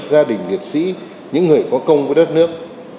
gia đình liệt sĩ những người có công với đất nước